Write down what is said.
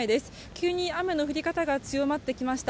急に雨の降り方が強まってきました。